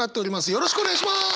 よろしくお願いします！